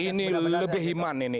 ini lebih iman ini